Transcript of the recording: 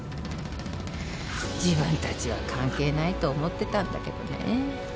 自分たちは関係ないと思ってたんだけどね。